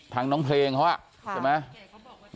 น้องเพลงเขาใช่ไหม